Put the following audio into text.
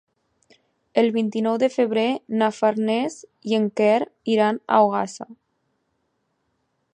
El vint-i-nou de febrer na Farners i en Quer iran a Ogassa.